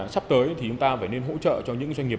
sắp tới thì chúng ta phải nên hỗ trợ cho những doanh nghiệp